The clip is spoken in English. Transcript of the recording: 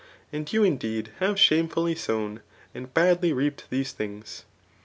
And, you indeed hwe shamejulbf somiy and badly reaped^ these things.